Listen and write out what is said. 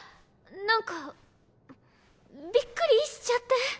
なんかびっくりしちゃって。